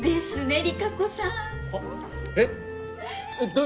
えっ？